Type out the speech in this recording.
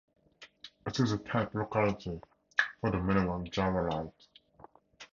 It is the type locality for the mineral gyrolite.